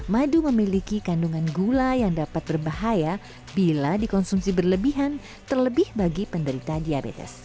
madu memiliki kandungan gula yang dapat berbahaya bila dikonsumsi berlebihan terlebih bagi penderita diabetes